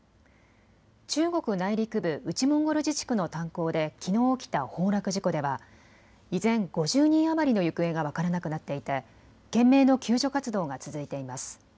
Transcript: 中国内陸部・内モンゴル自治区の炭鉱できのう起きた崩落事故では依然５０人余りの行方が分からなくなっていて懸命の救助活動が続いています。